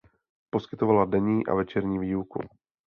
Poskytovala denní a večerní výuku.